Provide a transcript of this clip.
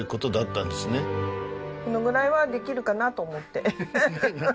このぐらいはできるかなと思って。